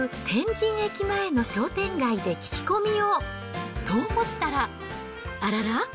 天神駅前の商店街で聞き込みを。と思ったら、あらら？